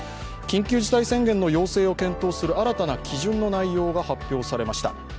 緊急事態宣言の要請を検討する新たな基準の内容が発表されました。